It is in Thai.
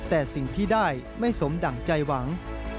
แต่สิ่งที่ได้ไม่สมดั่งใจหวัง